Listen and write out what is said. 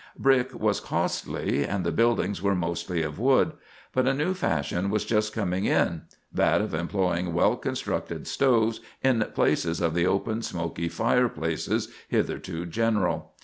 Brick was costly, and the buildings were mostly of wood; but a new fashion was just coming in—that of employing well constructed stoves in place of the open, smoky fireplaces hitherto general.